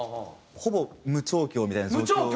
ほぼ無調教みたいな状況。